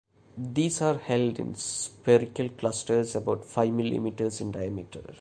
These are held in spherical clusters about five millimetres in diameter.